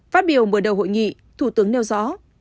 phát biểu mở đầu hội nghị thủ tướng nêu rõ